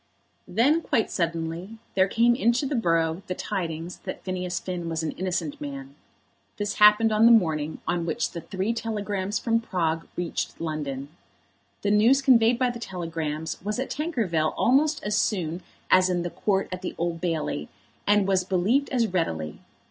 Then, quite suddenly, there came into the borough the tidings that Phineas Finn was an innocent man. This happened on the morning on which the three telegrams from Prague reached London. The news conveyed by the telegrams was at Tankerville almost as soon as in the Court at the Old Bailey, and was believed as readily.